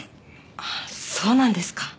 ああそうなんですか。